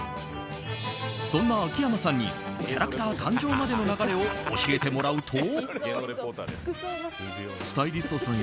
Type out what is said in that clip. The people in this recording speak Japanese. そんな秋山さんにキャラクター誕生までの流れを教えてもらうと。